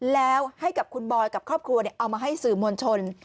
แล้วให้กับคุณบอยกับครอบครัวเอามาให้สื่อมวลชน